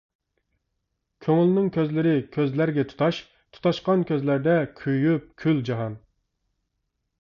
كۆڭۈلنىڭ كۆزلىرى كۆزلەرگە تۇتاش، تۇتاشقان كۆزلەردە كۆيۈپ كۈل جاھان.